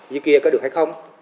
dưới kia có được hay không